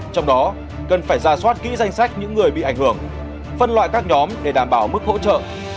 trong đó cần phải ra soát kỹ danh sách những người bị ảnh hưởng phân loại các nhóm để đảm bảo mức hỗ trợ